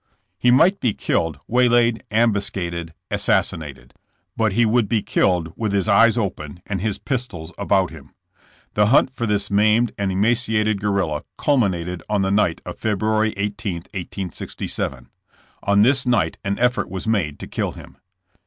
He might be killed, waylaid, ambuscaded, assassinated; but he would be killed with his eyes open and his pistols about him. The hunt for this maimed and ema ciated guerrilla culminated on the night of February 18, 1867. On this night an effort was made to kill him.